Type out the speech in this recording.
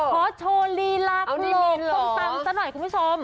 ขอโชว์ลีลาครีมส้มตำซะหน่อยคุณผู้ชม